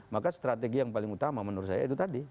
maka strategi yang paling utama menurut saya itu tadi